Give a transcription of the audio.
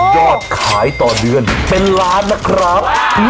ยอดขายต่อเดือนเป็นล้านนะครับ